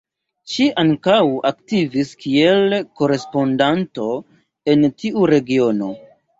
Ŝi ankaŭ aktivis kiel korespondanto en tiu regiono.